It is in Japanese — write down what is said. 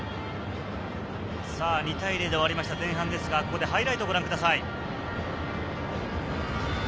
２対０で終わりました前半ですが、ここでハイライトをご覧ください。